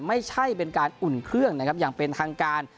ไม่ใช่เป็นการอุ่นเครื่องนะครับอย่างเป็นทางการ